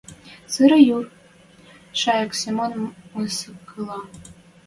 Сыра юр, — Шӓйӹк Семон мыскыла.